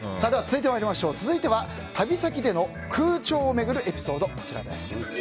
続いては旅先での空調を巡るエピソード。